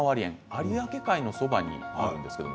有明海のそばにあるんです。